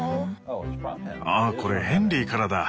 あっこれヘンリーからだ！